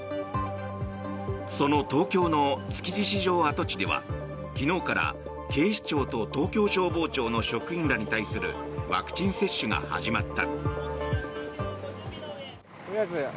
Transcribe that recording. その東京の築地市場跡地では昨日から警視庁と東京消防庁の職員らに対するワクチン接種が始まった。